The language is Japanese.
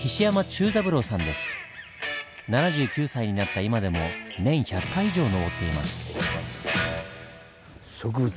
７９歳になった今でも年１００回以上登っています。